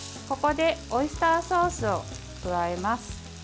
ここでオイスターソースを加えます。